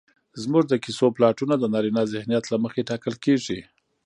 زموږ د کيسو پلاټونه د نارينه ذهنيت له مخې ټاکل کېږي